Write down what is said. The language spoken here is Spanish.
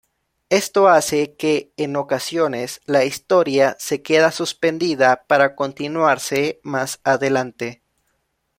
Esto hace que en ocasiones la historia se queda suspendida para continuarse más adelante.